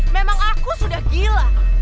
memang aku sudah gila